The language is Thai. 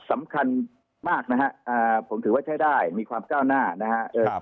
สำคัญมากนะฮะผมถือว่าใช้ได้มีความก้าวหน้านะครับ